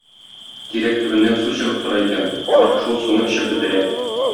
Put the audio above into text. Тирәк төбеннән су чыгып тора икән, карт шул суны эчеп бетерә.